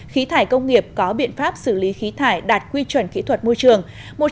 khí thải công nghiệp có biện pháp xử lý khí thải đạt quy chuẩn kỹ thuật môi trường